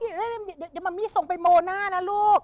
เดี๋ยวมะมี่ส่งไปโมหน้านะลูก